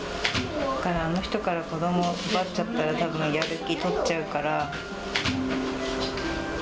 だから、あの人から子どもを奪っちゃったらたぶん、やる気取っちゃうから。